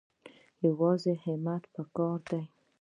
یوازې همت پکار دی